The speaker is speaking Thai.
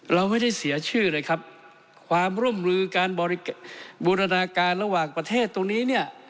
เราไม่ได้เสียชื่อเลยครับความร่วมมือการบูรณาการระหว่างประเทศตรงนี้เนี่ย